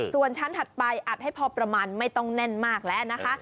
ส่วนชั้นถัดไปอัดให้พอประมาณไม่ต้องแน่นมากแล้วนะคะ